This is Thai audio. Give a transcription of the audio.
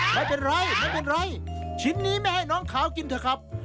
ไม่เป็นไรชิ้นนี้ไม่ให้น้องคาวกินเถอะครับ